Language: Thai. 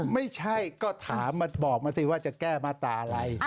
ไม่ใช่ก็ถามมาบอกมาสิว่าจะแก้มาตราอะไร